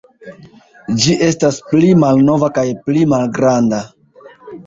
Ĝi estas pli malnova kaj pli malgranda.